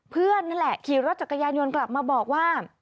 นั่นแหละขี่รถจักรยานยนต์กลับมาบอกว่า